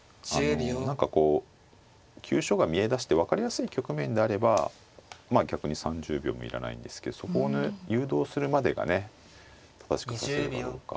何かこう急所が見えだして分かりやすい局面であればまあ逆に３０秒もいらないんですけどそこに誘導するまでがね正しく指せるかどうか。